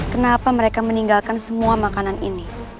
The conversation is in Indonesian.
kenapa mereka meninggalkan semua makanan ini